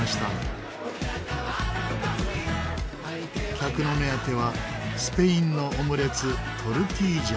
客の目当てはスペインのオムレツトルティージャ。